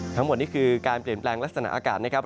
ทั้งหมดนี่คือการเปลี่ยนแปลงลักษณะอากาศนะครับ